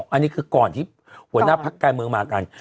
อันนี้คือก่อนที่หัวหน้าพักการเมืองมากัน